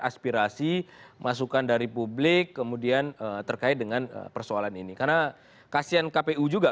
aspirasi masukan dari publik kemudian terkait dengan persoalan ini karena kasihan kpu juga